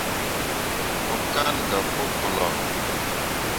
Mo kan gah pu golok.